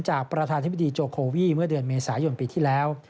ประธานธิบดีโจโควีเมื่อเดือนเมษายนปีที่แล้ว